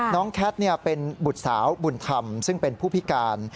แคทเป็นบุตรสาวบุญธรรมซึ่งเป็นผู้พิการ